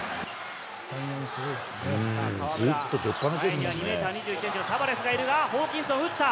前には２メートル２１センチのタバレスがいるが、ホーキンソン、打った。